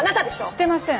してません。